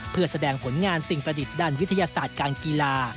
เพื่อแสดงผลงานสิ่งประดิษฐ์ด้านวิทยาศาสตร์การกีฬา